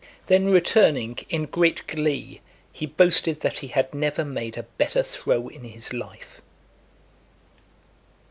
Then returning, in great glee, he boasted that he had never made a better throw in his life.